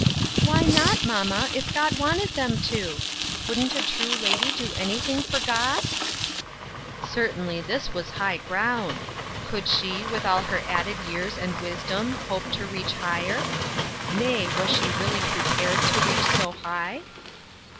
" Why not, mamma, if God wanted them to ? Wouldn't a true lady do anything for God ?" Certainly this was high ground. Could she, with all her added years and wisdom, hope to reach higher ? Nay, was she really prepared to reach so high